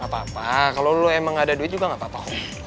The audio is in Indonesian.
gak apa apa kalau lo emang gak ada duit juga gak apa apa